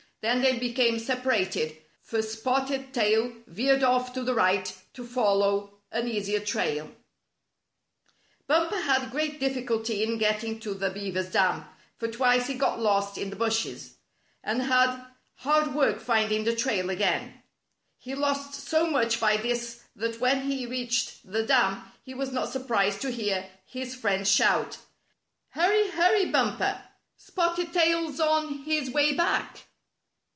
Then they became separated, for Spotted Tail veered off to the right to follow an easier trail. A Test of Fleetness 41 Bumper had great difficulty in getting to the beaver's dam, for twice he got lost in the bushes, And had hard work finding the trail again. He lost so much by this that when he reached the dam, he was not surprised to hear his friends shout : "Hurry! Hurry, Bumper! Spotted Tail's on his way back!